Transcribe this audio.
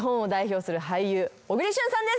小栗旬さんです